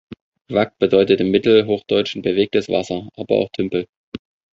Wac bedeutete im Mittelhochdeutschen bewegtes Wasser, aber auch Tümpel.